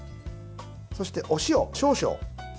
そして、お塩少々。